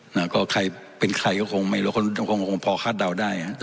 นะก็ใครเป็นใครก็คงไม่รู้คงพอคาดเดาได้ฮะ